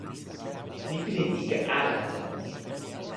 mi pilin ike ala tan moli.